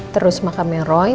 terus makamnya roy